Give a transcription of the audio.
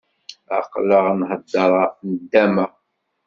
Aql-aɣ nhedder ɣef nndama.